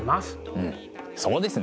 うんそうですね！